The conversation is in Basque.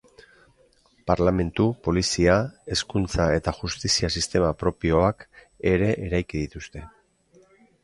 Parlementu, polizia, hezkuntza eta justizia sistema propioak ere eraiki dituzte.